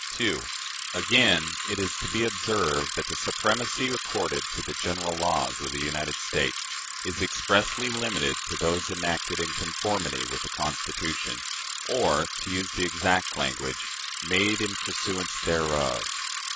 " 2. Again, it is to be observed that the supremacy accorded to the general laws of the United States is expressly limited to those enacted in conformity with the Constitution, or, to use the exact language, "made in pursuance thereof."